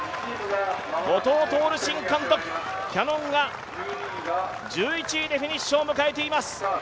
後藤透新監督、キヤノンが１１位でフィニッシュを迎えています。